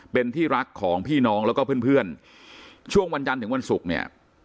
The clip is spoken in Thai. เป็นที่รักของพี่น้องแล้วก็เพื่อนเพื่อนช่วงวันจันทร์ถึงวันศุกร์เนี่ย